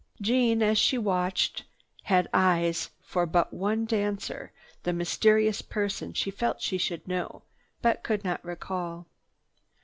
Jeanne as she watched had eyes for but one dancer, the mysterious person she felt she should know, but could not recall.